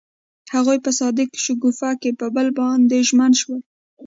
هغوی په صادق شګوفه کې پر بل باندې ژمن شول.